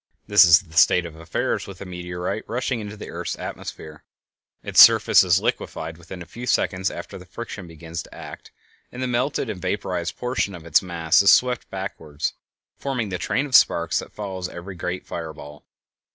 This is the state of affairs with a meteorite rushing into the earth's atmosphere; its surface is liquefied within a few seconds after the friction begins to act, and the melted and vaporized portion of its mass is swept backward, forming the train of sparks that follows every great fire ball.